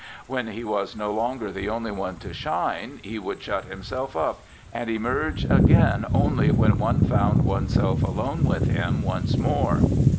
When he was no longer the only one to shine, he would shut himself up, and emerge again only when one found oneself alone with him once more.